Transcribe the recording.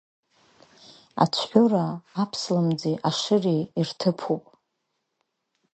Ацәҳәыра аԥслымӡи ашыреи ирҭыԥуп.